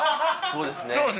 そうですね